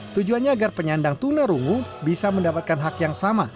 tujuannya agar penyandang tunarungu bisa mendapatkan hak yang sama